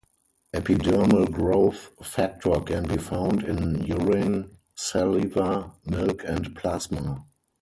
Epidermal growth factor can be found in urine, saliva, milk, and plasma.